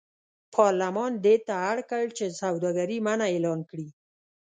پارلمان دې ته اړ کړ چې سوداګري منع اعلان کړي.